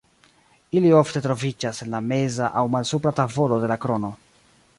Ili ofte troviĝas en la meza aŭ malsupra tavolo de la krono.